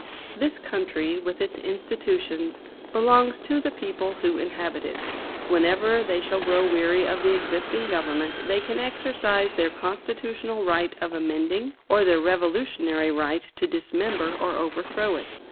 This country, with its institutions, belongs to the people who inhabit it. Whenever they shall grow weary of the existing government, they can exercise their constitutional right of amending, or their revolutionary right to dismember or overthrow it.